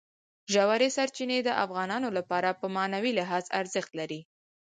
ژورې سرچینې د افغانانو لپاره په معنوي لحاظ ارزښت لري.